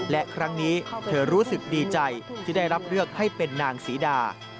และครั้งนี้เธอรู้สึกดีใจที่ได้รับเลือกให้เป็นนางศรีดา